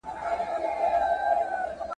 ایا افغان سوداګر وچه الوچه صادروي؟